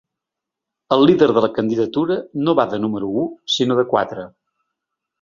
El líder de la candidatura no va de número u sinó de quatre.